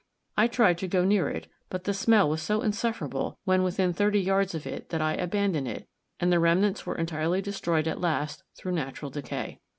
I tried to go near it, but the smell was so insufferable when within thirty yards of it that I abandoned it, and the remnants were entirely destroyed at last through natural decay.